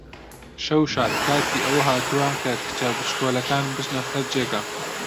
شەو شاد! کاتی ئەوە هاتووە کە کچە بچکۆڵەکەکان بچنە سەر جێگا.